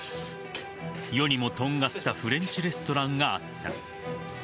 世にもとんがったフレンチレストランがあった。